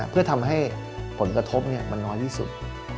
เพื่อทำให้ผลกระทบมันน้อยที่สุด